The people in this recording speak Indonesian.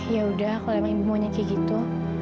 ya udah kalau emang ibu mau nyetik gitu